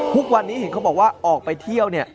ทุกวันนี้เห็นเขาบอกว่าออกไปเที่ยวเนี่ย